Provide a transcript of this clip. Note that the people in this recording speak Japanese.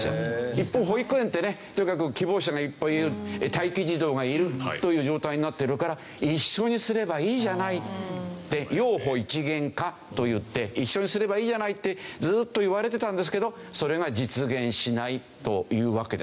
一方保育園ってねとにかく希望者がいっぱいいる待機児童がいるという状態になっているから一緒にすればいいじゃないって幼保一元化といって一緒にすればいいじゃないってずっといわれてたんですけどそれが実現しないというわけですね。